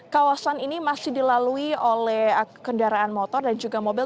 kawasan ini masih dilalui oleh kendaraan motor dan juga mobil